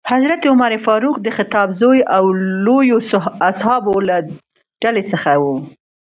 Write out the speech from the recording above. حضرت عمر فاروق د خطاب زوی او لویو اصحابو له ډلې څخه ؤ.